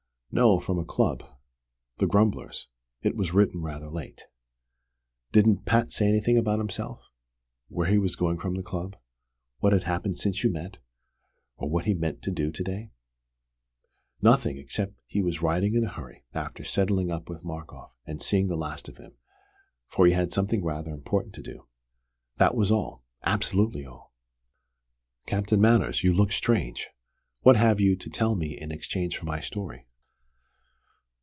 "No, from a club: the 'Grumblers'. It was written rather late." "Didn't Pat say anything about himself where he was going from the club, what had happened since you met, or what he meant to do to day?" "Nothing except that he was writing in a hurry after 'settling up with Markoff' and seeing the last of him, for he had 'something rather important to do.' That was all, absolutely all. Captain Manners, you look strange! What have you to tell me in exchange for my story?"